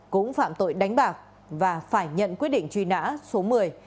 cũng phạm tội đánh bạc và phải nhận quyết định truy nã số một mươi